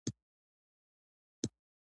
څنګه کولی شم د واده وړاندیز وکړم